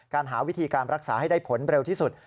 หาวิธีการรักษาให้ได้ผลเร็วที่สุด